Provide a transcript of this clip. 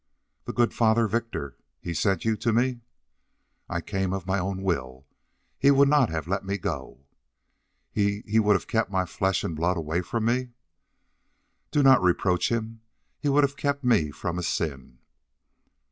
"The good Father Victor. He sent you to me." "I came of my own will. He would not have let me go." "He he would have kept my flesh and blood away from me?" "Do not reproach him. He would have kept me from a sin."